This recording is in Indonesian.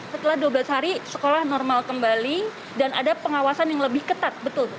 setelah dua belas hari sekolah normal kembali dan ada pengawasan yang lebih ketat betul